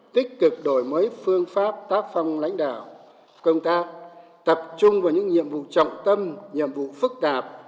tích cực đổi mới phương pháp tác phong lãnh đạo công tác tập trung vào những nhiệm vụ trọng tâm nhiệm vụ phức tạp